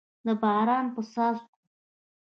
د باران په څاڅکو